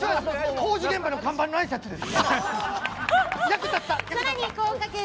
工事現場の看板のあいさつです。